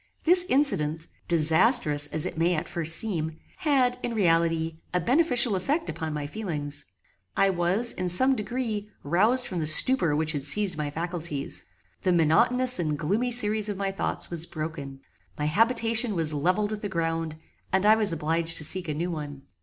This incident, disastrous as it may at first seem, had, in reality, a beneficial effect upon my feelings. I was, in some degree, roused from the stupor which had seized my faculties. The monotonous and gloomy series of my thoughts was broken. My habitation was levelled with the ground, and I was obliged to seek a new one.